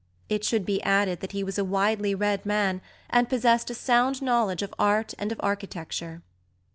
It should be added that he was a widely read man, and possessed a sound knowledge of art and of architecture.